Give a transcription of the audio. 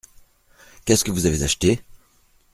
Qu’est-ce que vous avez acheté ?